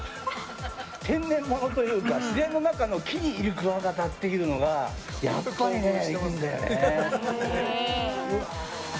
天然物というか自然の中の木にいるクワガタっていうのがやっぱりいるんだよね。